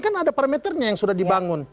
kan ada parameternya yang sudah dibangun